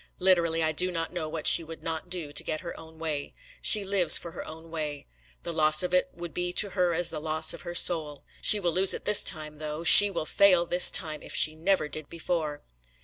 Literally, I do not know what she would not do to get her own way. She lives for her own way. The loss of it would be to her as the loss of her soul. She will lose it this time though! She will fail this time if she never did before!"